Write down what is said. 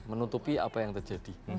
menutupi apa yang terjadi